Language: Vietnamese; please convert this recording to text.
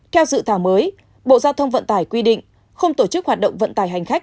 theo dự thảo mới bộ giao thông vận tải quy định không tổ chức hoạt động vận tải hành khách